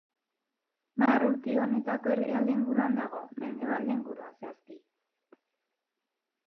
Barruti honetako erdialde inguruan dago, mendebalde inguruan, zehazki.